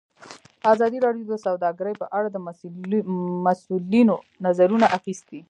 ازادي راډیو د سوداګري په اړه د مسؤلینو نظرونه اخیستي.